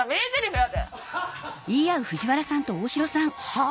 はあ？